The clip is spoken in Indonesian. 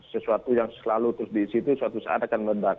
pada sesuatu yang selalu terus diisi itu suatu saat akan meledak